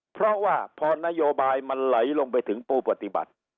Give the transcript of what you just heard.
เพราะว่าพอนโยบายมันไหลลงไปถึงปูปฏิบัติ